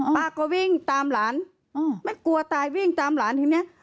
ป้าก็วิ่งตามหลานไม่กลัวตายวิ่งตามหลานทีเนี้ย